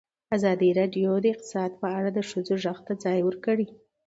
ازادي راډیو د اقتصاد په اړه د ښځو غږ ته ځای ورکړی.